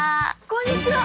こんにちは。